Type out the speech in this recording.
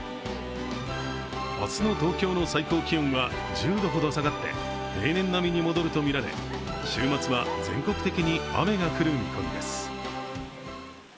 明日の東京の最高気温は１０度ほど下がって平年並みに戻るとみられ週末は全国的に雨が降る見込みです。